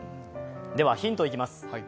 ではヒントいきます。